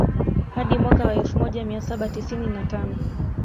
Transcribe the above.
Hadi mwaka wa elfu moja mia saba tisini na tano